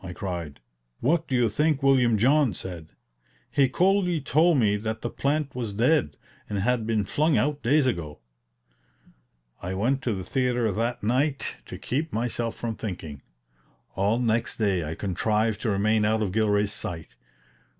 I cried. What do you think William John said? He coolly told me that the plant was dead, and had been flung out days ago. I went to the theater that night to keep myself from thinking. All next day I contrived to remain out of Gilray's sight.